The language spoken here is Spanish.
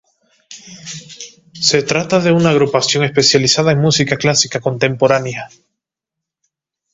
Se trata de una agrupación especializada en música clásica contemporánea.